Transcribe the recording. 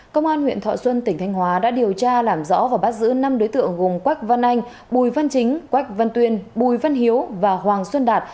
công an huyện thọ xuân tỉnh thanh hóa đã điều tra làm rõ và bắt giữ năm đối tượng gồm quách văn anh bùi văn chính quách văn tuyên bùi văn hiếu và hoàng xuân đạt